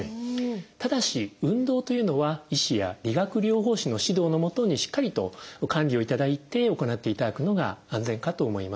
ただし運動というのは医師や理学療法士の指導の下にしっかりと管理をいただいて行っていただくのが安全かと思います。